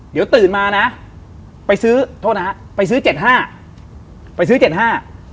เดี๋ยวตื่นมานะไปซื้อโทษนะฮะไปซื้อเจ็ดห้าไปซื้อเจ็ดห้า